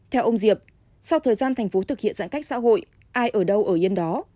theo ông diệp sau thời gian thành phố thực hiện giãn cách xã hội ai ở đâu ở yên đó